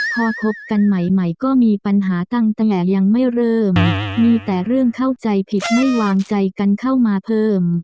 พอคบกันใหม่ใหม่ก็มีปัญหาตั้งแต่ยังไม่เริ่มมีแต่เรื่องเข้าใจผิดไม่วางใจกันเข้ามาเพิ่ม